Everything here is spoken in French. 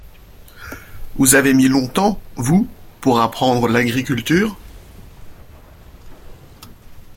Vous avez mis longtemps, vous, pour apprendre l’agriculture?